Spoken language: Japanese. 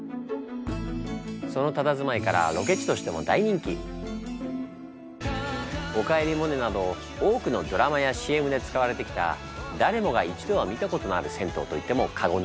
そのたたずまいから「おかえりモネ」など多くのドラマやＣＭで使われてきた誰もが一度は見たことのある銭湯と言っても過言ではないのよ。